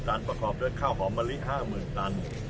๑๕๐๐๐๐ตันประคอบด้วยข้าวหอมมะลิ๕๐๐๐๐ตัน